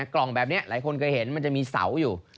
กล่องแบบนี้หลายคนเคยเห็นมันจะมีเสาอยู่